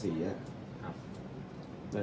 ส่วนสุดท้ายส่วนสุดท้าย